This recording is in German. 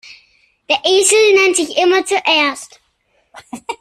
Der Esel nennt sich immer zuerst.